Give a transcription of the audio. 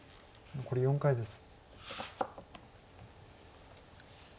残り４回です。